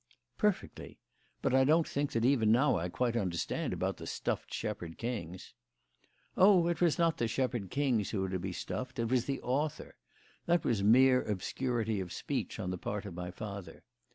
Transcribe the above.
"Perfectly. But I don't think that, even now, I quite understand about the stuffed Shepherd Kings." "Oh, it was not the Shepherd Kings who were to be stuffed. It was the author! That was mere obscurity of speech on the part of my father.